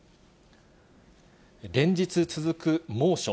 連日続く猛暑。